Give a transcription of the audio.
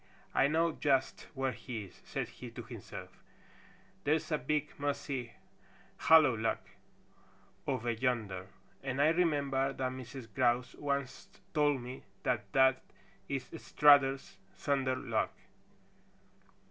"I know just where he is," said he to himself. "There's a big, mossy, hollow log over yonder, and I remember that Mrs. Grouse once told me that that is Strutter's thunder log."